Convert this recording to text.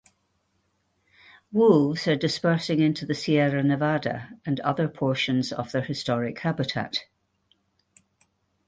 Wolves are dispersing into the Sierra Nevada and other portions of their historic habitat.